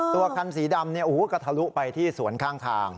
ตัวคันสีดำเนี้ยโอ้โหก็ทะลุไปที่สวนข้างทาง